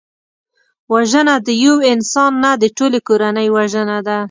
وژنه د یو انسان نه، د ټولي کورنۍ وژنه ده